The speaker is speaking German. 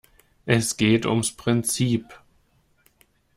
Es geht ums Prinzip.